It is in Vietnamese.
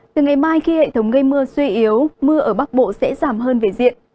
từ ngày mai khi hệ thống gây mưa suy yếu mưa ở bắc bộ sẽ giảm hơn về diện